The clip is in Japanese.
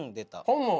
本も！